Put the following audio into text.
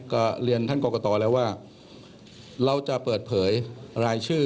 ก็เรียนท่านกรกตแล้วว่าเราจะเปิดเผยรายชื่อ